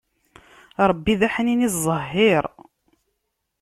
Ṛebbi d aḥnin iẓẓehhiṛ.